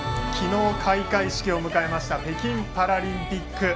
昨日、開会式を迎えました北京パラリンピック。